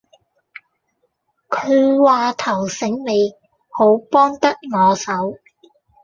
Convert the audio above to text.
佢話頭醒尾，好幫得我手